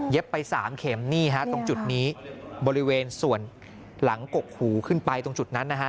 เย็บไป๓เข็มตรงจุดนี้บริเวณส่วนหลังกกหูขึ้นไปตรงจุดนั้นนะฮะ